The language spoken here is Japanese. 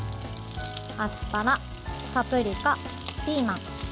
アスパラ、パプリカ、ピーマン。